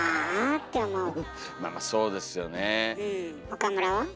岡村は？